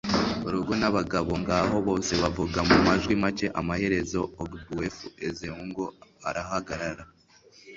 urugo nabagabo ngaho, bose bavuga mumajwi make. amaherezo ogbuefi ezeugo arahagarara